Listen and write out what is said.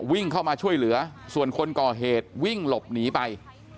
วิ่งเข้ามาช่วยเหลือส่วนคนก่อเหตุวิ่งหลบหนีไป